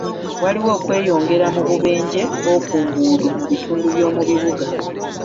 Waliwo okweyongera mu bubenje bw'oku nguudo mu bitundu by'omu bibuga.